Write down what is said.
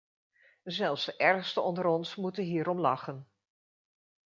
Zelfs de ergsten onder ons moeten hierom lachen.